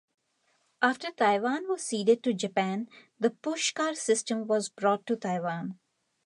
After Taiwan was ceded to Japan, the push car system was brought to Taiwan.